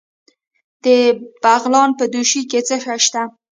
د بغلان په دوشي کې څه شی شته؟